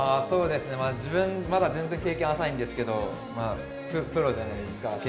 そうですね自分まだ全然経験浅いんですけどプロじゃないですか。